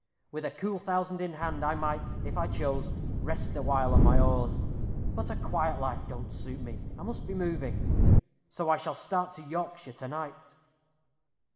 With a cool thousand in hand, I might, if I chose, rest awhile on my oars. But a quiet life don't suit me. I must be moving. So I shall start to Yorkshire to night."